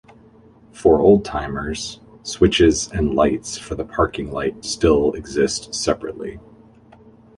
For old-timers, switches and lights for the parking light still exist separately.